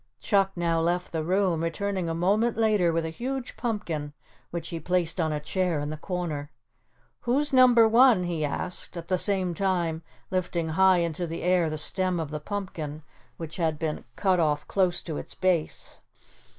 Chuck now left the room, returning a moment later with a huge pumpkin which he placed on a chair in the corner. "Who's number one?" he asked, at the same time lifting high into the air the stem of the pumpkin, which had been cut off close to its base.